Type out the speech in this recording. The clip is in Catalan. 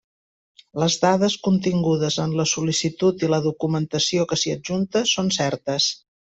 Les dades contingudes en la sol·licitud i la documentació que s'hi adjunta són certes.